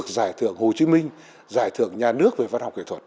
giải thưởng hồ chí minh giải thưởng nhà nước về văn học kỹ thuật